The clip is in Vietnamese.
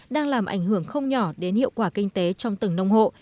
đang làm ảnh hưởng không nhỏ đến hiệu quả kinh tế trong từng nông hộ